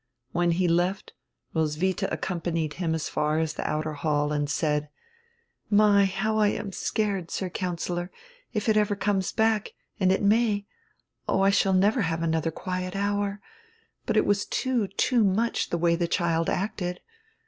When he left, Roswitha accom panied him as far as the outer hall and said: "My, how I am scared, Sir Councillor; if it ever comes hack, and it may — oh, I shall never have another quiet hour. But it was too, too much, the way the child acted.